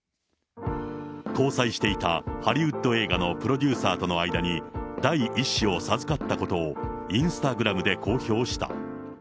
交際していた、ハリウッド映画のプロデューサーとの間に、第１子を授かったことを、インスタグラムで公表した。